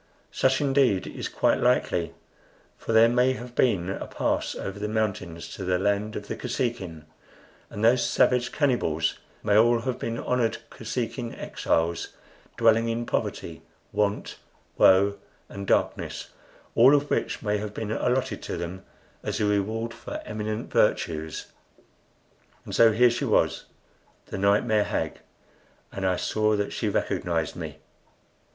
Such, indeed, is quite likely, for there may have been a pass over the mountains to the land of the Kosekin; and those savage cannibals may all have been honored Kosekin exiles, dwelling in poverty, want, woe, and darkness, all of which may have been allotted to them as a reward for eminent virtues. And so here she was, the nightmare hag, and I saw that she recognized me.